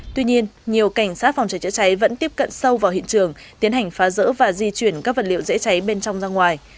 tuy nhiên nhiều cảnh sát phòng cháy chữa cháy vẫn tiếp cận sâu vào hiện trường tiến hành phá rỡ và di chuyển các vật liệu dễ cháy bên trong ra ngoài